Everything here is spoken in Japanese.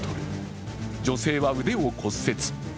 女性は腕を骨折。